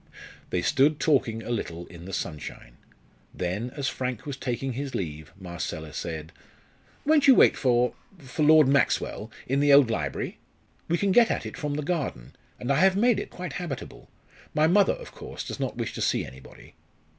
They stood talking a little in the sunshine. Then, as Frank was taking his leave, Marcella said: "Won't you wait for for Lord Maxwell, in the old library? We can get at it from the garden, and I have made it quite habitable. My mother, of course, does not wish to see anybody."